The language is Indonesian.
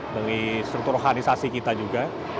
dari struktur organisasi kita juga